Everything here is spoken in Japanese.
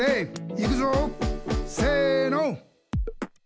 いくぞせの！